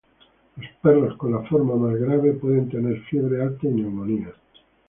Los perros con la forma más grave pueden tener fiebre alta y neumonía.